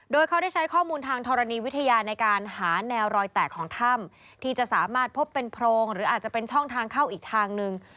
โดยเขาได้ใช้ข้อมูลทางธรณีวิทยาในการหาแนวรอยแตกของถ้ำที่จะสามารถพบเป็นโพรงหรืออาจจะเป็นช่องทางเข้าอีกทางหนึ่ง